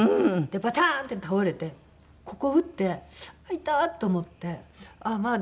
でバターン！って倒れてここ打ってあっ痛と思ってあっまあ